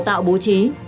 và tạo bố trí